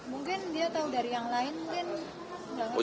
mungkin dia tau dari yang lain